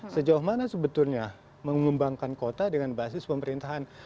sejauh mana sebetulnya mengembangkan kota dengan basis pemerintahan